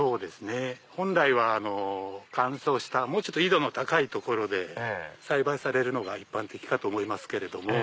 本来は乾燥したもうちょっと緯度の高い所で栽培されるのが一般的かと思いますけれども。